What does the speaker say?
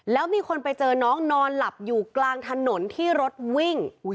แล้วมีคนไปเจอน้องนอนหลับอยู่กลางถนนที่รถวิ่ง